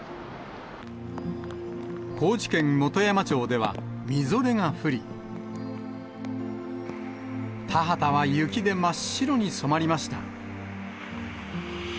高知県本山町では、みぞれが降り、田畑は雪で真っ白に染まりました。